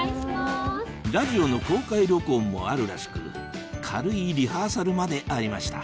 ラジオの公開録音もあるらしく軽いリハーサルまでありました